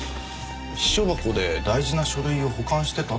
私書箱で大事な書類を保管してたって事ですかね。